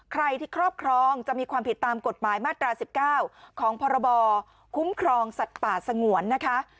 ใครที่ครอบครองจะมีความผิดตามกฎหมายมาตรา๑๙ของพรบคุ้มครองสัตว์ป่าสงวนนะคะ